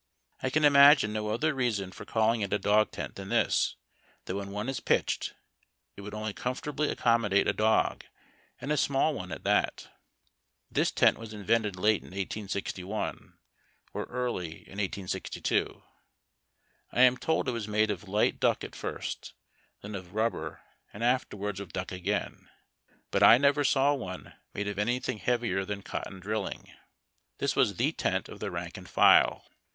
I cau imagiue uo other reason for calling it a dog tent than this, that when one is pitched it would only comfortably accommodate a dog, and a small one at that. This tent was invented late in 18<)1 or early in 1862. I am told it was made of light duck at first, then of rubber, and afterwards of duck again, but /never saw one made of anything heavier than cotton drilling. This was fJie tent of the rank and file.